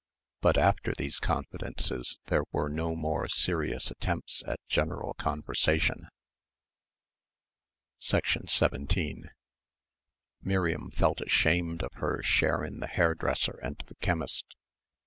But after these confidences there were no more serious attempts at general conversation. 17 Miriam felt ashamed of her share in the hairdresser and the chemist.